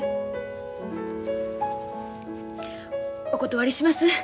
お断りします。